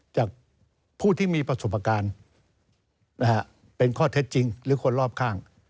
จากผู้ที่มีประสบการณ์เป็นข้อเท็จจริงหรือคนรอบข้าง